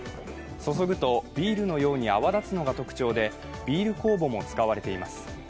注ぐとビールのように泡立つのが特徴でビール酵母も使われています。